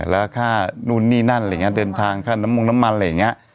แล้วค่านู่นนี่นั่นอะไรอย่างนี้เดินทางค่าน้ำมงน้ำมันอะไรอย่างนี้